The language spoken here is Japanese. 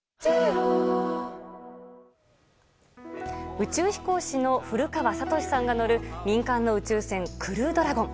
宇宙飛行士の古川聡さんが乗る民間の宇宙船クルードラゴン。